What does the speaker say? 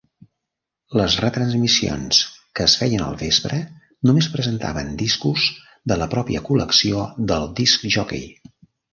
Les retransmissions que es feien al vespre només presentaven discos de la pròpia col·lecció del disc jockey.